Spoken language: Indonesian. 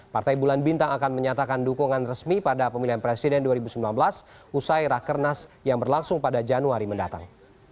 partai bulan bintang akan menyatakan dukungan resmi pada pemilihan presiden dua ribu sembilan belas usai rakernas yang berlangsung pada januari mendatang